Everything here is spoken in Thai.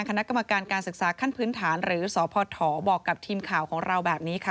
คณะกรรมการการศึกษาขั้นพื้นฐานหรือสพบอกกับทีมข่าวของเราแบบนี้ค่ะ